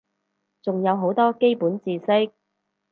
仲有好多基本知識